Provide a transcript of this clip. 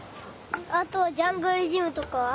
あとジャングルジムとかは？